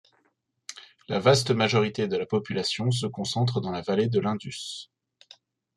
La vaste majorité de la population se concentre dans la vallée de l'Indus.